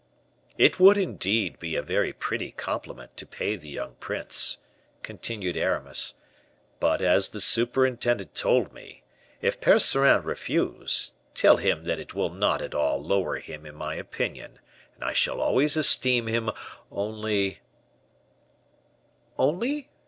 "It would, indeed, be a very pretty compliment to pay the young prince," continued Aramis; "but as the surintendant told me, 'if Percerin refuse, tell him that it will not at all lower him in my opinion, and I shall always esteem him, only '" "'Only?